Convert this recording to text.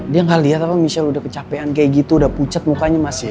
dia gak lihat apa michelle udah kecapean kayak gitu udah pucet mukanya masih